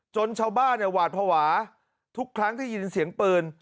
ชาวบ้านเนี่ยหวาดภาวะทุกครั้งที่ยินเสียงปืน